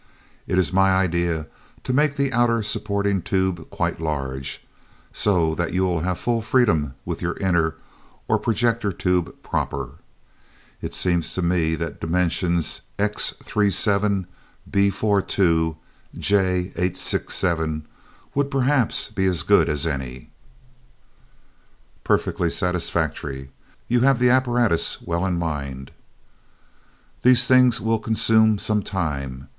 It is my idea to make the outer supporting tube quite large, so that you will have full freedom with your inner, or projector tube proper. It seems to me that dimensions X37 B42 J867 would perhaps be as good as any." "Perfectly satisfactory. You have the apparatus well in mind." "These things will consume some time.